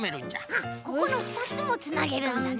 あっここのふたつもつなげるんだね。